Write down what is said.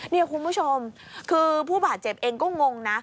นี่คุณผู้ชมคือผู้บาดเจ็บเองก็งงนะ